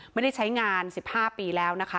ไม่ได้ใช้งาน๑๕ปีแล้วนะคะ